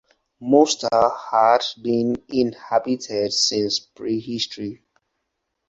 Mosta has been inhabited since pre-history.